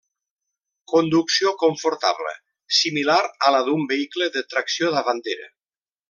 Conducció confortable, similar a la d'un vehicle de tracció davantera.